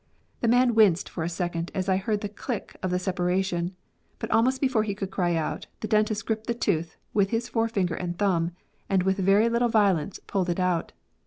The man winced for a second as I heard the * click' of the separation, but almost before he could cry out, the dentist gripped the tooth with his forefinger and thumb, and with very little violence pulled it out.